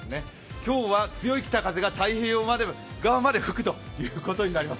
今日は強い北風が太平洋側まで吹くということになります。